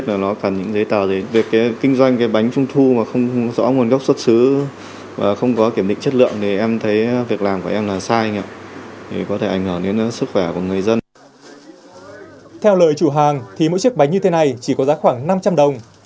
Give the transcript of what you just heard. theo lời chủ hàng thì mỗi chiếc bánh như thế này chỉ có giá khoảng năm trăm linh đồng